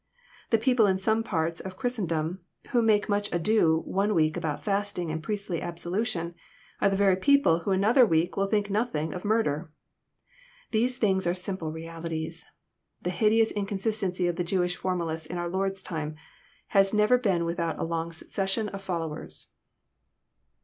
The people in some parts of Chris tendom, who make much ado one week about fasting and priestly absolution, are the very people who another week will think nothing of murder! These things are simple realities. The hideous inconsistency of the Jewish formalists in our Lord's time has never been without a long succession of followers.